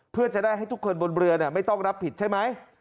เพื่อจะได้ให้ทุกคนบนเรือไม่ต้องรับผิดใช่ไหม